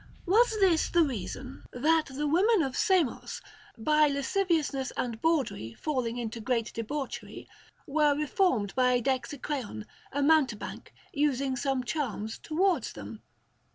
Was this the reason, that the women of Samos, by lasciviousness and bawdry falling into great debauchery, were reformed by Dexicreon, a mountebank, using some charms towards them?